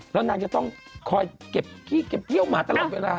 แล้วนางจะต้องคอยเก็บเที่ยวหมาตลอดเวลา